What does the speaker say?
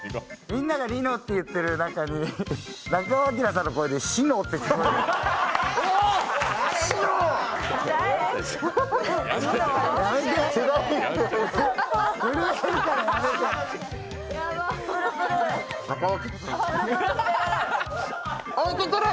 みんながリノって言ってる中に中尾彬さんの声で志乃って聞こえる。